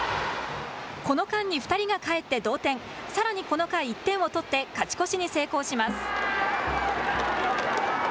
この間に２人がかえって同点、さらにこの回、１点を取って勝ち越しに成功します。